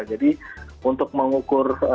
jadi untuk mengukur